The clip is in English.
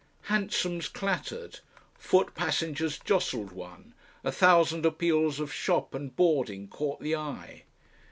Hansoms clattered, foot passengers jostled one, a thousand appeals of shop and boarding caught the eye.